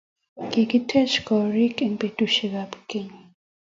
Kikiteche korik eng petusiek ab keny